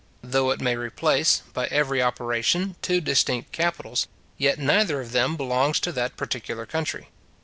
Though it may replace, by every operation, two distinct capitals, yet neither of them belongs to that particular country.